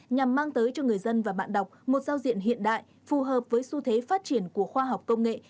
nhằm mang tới cho người dân và bạn đọc một giao diện hiện đại phù hợp với xu thế phát triển của khoa học công nghệ